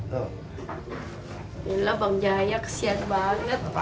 ya allah bang jaya kesian banget